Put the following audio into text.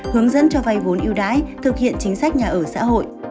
hướng dẫn cho vay vốn yêu đái thực hiện chính sách nhà ở xã hội